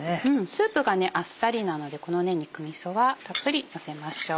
スープがあっさりなのでこの肉みそはたっぷりのせましょう。